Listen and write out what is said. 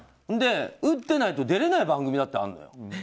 で打ってないと出れない番組だってあるんだよ。